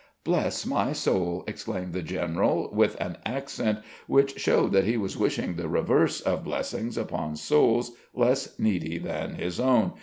"Bless my soul!" exclaimed the general, with an accent which showed that he was wishing the reverse of blessings upon souls less needy than his own.